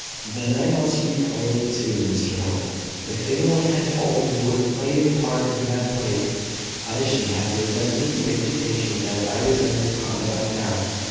"Then I must speak plainly too, Mr Hope. If any one had told me you would play the part you have played, I should have resented the imputation as I resent your conduct now.